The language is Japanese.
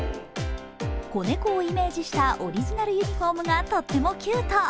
子猫をイメージしたオリジナルユニフォームがとってもキュート。